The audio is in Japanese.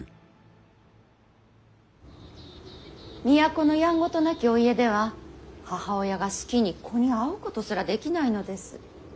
都のやんごとなきお家では母親が好きに子に会うことすらできないのです。